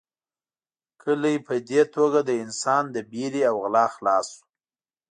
کلی په دې توګه له انسان له وېرې او غلا خلاص شو.